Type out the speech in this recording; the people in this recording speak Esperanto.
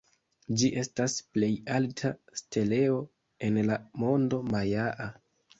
Ĝi estas plej alta steleo en la mondo majaa.